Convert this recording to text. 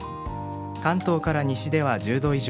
関東から西では１０度以上。